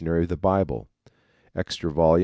of the Bible_, Extra Vol.